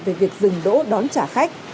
về việc dừng đỗ đón trả khách